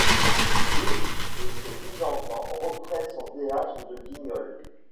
Deux de ses dix enfants reprennent son théâtre de Guignol.